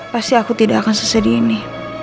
pasti aku tidak akan sesedih ini